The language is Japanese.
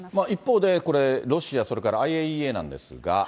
一方でこれ、ロシアそれからＩＡＥＡなんですが。